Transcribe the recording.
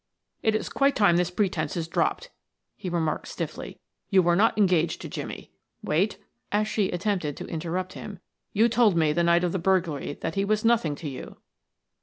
"It is quite time this pretense is dropped," he remarked stiffly. "You were not engaged to Jimmie wait," as she attempted to interrupt him. "You told me the night of the burglary that he was nothing to you.'"